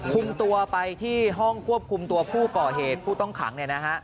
คุมตัวไปที่ห้องควบคุมตัวผู้ก่อเหตุผู้ต้องขัง